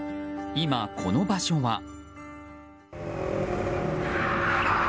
今、この場所は。